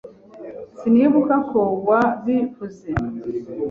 Sinibuka ko wabivuze.